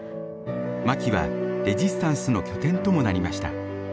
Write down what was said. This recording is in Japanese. マキはレジスタンスの拠点ともなりました。